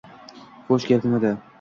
— Xo‘sh, gap nimada?